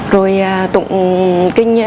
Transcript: rồi tụng kinh